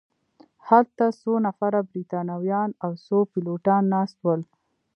هلته څو نفره بریتانویان او څو پیلوټان ناست ول.